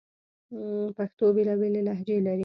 پښتو بیلابیلي لهجې لري